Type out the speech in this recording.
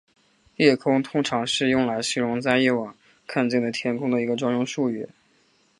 夜空通常是用来形容在夜晚看见的天空的一个专用术语。